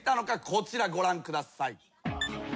こちらご覧ください。